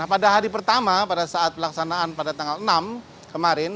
pada hari pertama pada saat pelaksanaan pada tanggal enam kemarin